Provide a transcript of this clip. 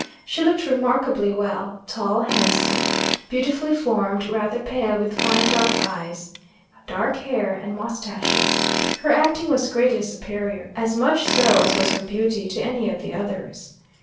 She looked remarkably well tall, handsome, beautifully formed, rather pale, with fine dark eyes, dark hair, and moustaches. Her acting was greatly superior, as much so as was her beauty to any of the others.